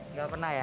nggak pernah ya